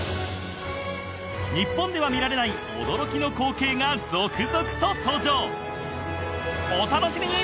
日本では見られない驚きの光景が続々と登場お楽しみに